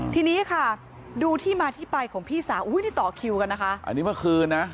ทีนี้ค่ะดูที่มาที่ไปของพี่สาวอุ้ยที่ต่อคิวกันนะคะอันนี้เมื่อคืนนะ